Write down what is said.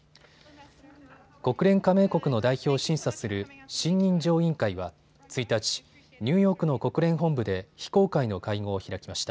国連加盟国の代表を審査する信任状委員会は１日、ニューヨークの国連本部で非公開の会合を開きました。